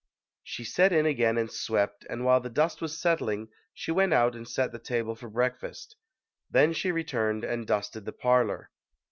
She set in again and swept, and while the dust was settling, she went out and set the table for breakfast. Then she returned and dusted the parlor.